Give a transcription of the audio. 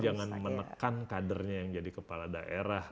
jangan menekan kadernya yang jadi kepala daerah